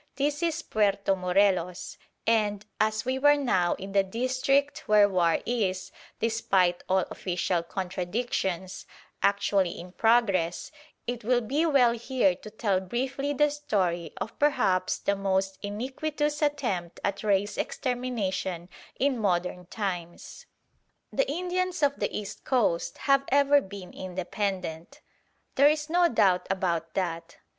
This is Puerto Morelos, and, as we were now in the district where war is despite all official contradictions actually in progress, it will be well here to tell briefly the story of perhaps the most iniquitous attempt at race extermination in modern times. The Indians of the east coast have ever been independent. There is no doubt about that.